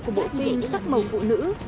của bộ phim sắc màu phụ nữ